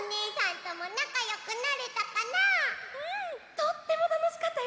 とってもたのしかったよ。